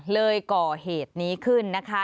เลยก่อเหตุนี้ขึ้นนะคะ